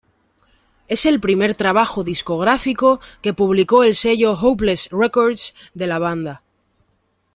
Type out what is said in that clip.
Es el primer trabajo discográfico que publicó el sello Hopeless Records de la banda.